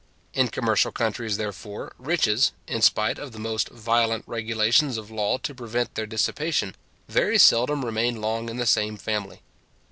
In commercial countries, therefore, riches, in spite of the most violent regulations of law to prevent their dissipation, very seldom remain long in the same family.